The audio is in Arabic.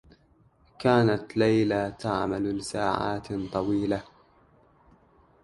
كانت ليلى تعمل لساعات طويلة.